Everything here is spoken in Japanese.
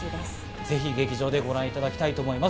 ぜひ劇場でご覧いただきたいと思います。